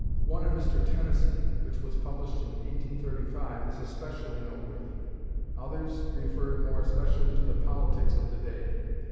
One on Mr. Tennyson, which was published in 1835, is especially noteworthy. Others referred more especially to the politics of the day.